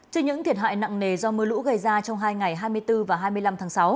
trên những thiệt hại nặng nề do mưa lũ gây ra trong hai ngày hai mươi bốn và hai mươi năm tháng sáu